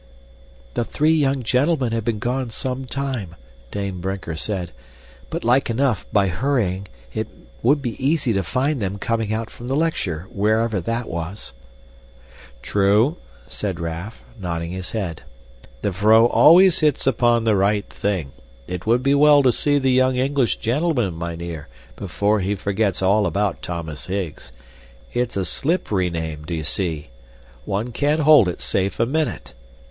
"The three young gentlemen have been gone some time," Dame Brinker said, "but like enough, by hurrying, it would be easy to find them coming out from the lecture, wherever that was." "True," said Raff, nodding his head. "The vrouw always hits upon the right thing. It would be well to see the young English gentleman, mynheer, before he forgets all about Thomas Higgs. It's a slippery name, d'ye see? One can't hold it safe a minute.